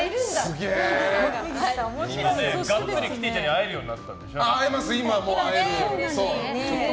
ガッツリ、キティちゃんに会えるようになったんでしょ。